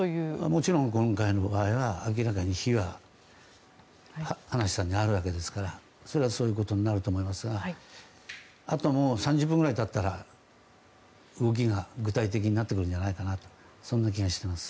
もちろん今回の場合は明らかに非が葉梨さんにあるわけですからそういうことになると思いますがあと、３０分ぐらい経ったら動きが具体的になってくるんじゃないかなという気がしています。